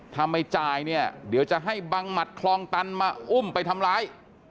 ถ้าไม่จ่ายเนี่ยเดี๋ยวจะให้บังหมัดคลองตันมาอุ้มไปทำร้าย